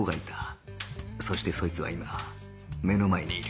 そしてそいつは今目の前にいる